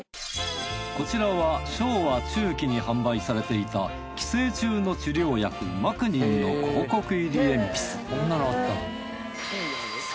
こちらは昭和中期に販売されていた寄生虫の治療薬マクニンの広告入り鉛筆こんなのあったんだ。